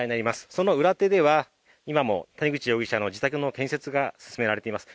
その裏手では、今も谷口容疑者の自宅の建設が進められています。